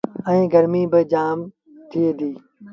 ائيٚݩ گرميٚ با جآم ٿئي ديٚ۔